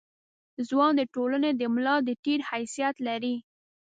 ځوان د ټولنې د ملا د تیر حیثیت لري.